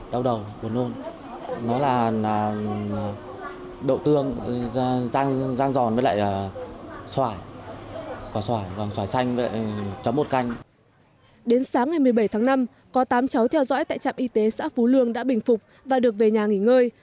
đến sáng ngày một mươi bảy tháng năm có tám cháu theo dõi tại trạm y tế xã phú lương đã bình phục và được về nhà nghỉ ngơi